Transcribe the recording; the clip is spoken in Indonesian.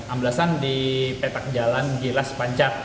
amblesan di petak jalan gilas sepancar